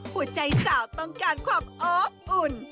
หัวใจสาวต้องการความอบอุ่น